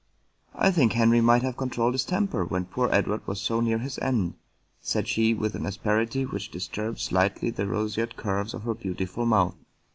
" I think Henry might have controlled his temper, when poor Edward was so near his end," said she with an asperity which disturbed slightly the roseate curves of her beautiful mouth.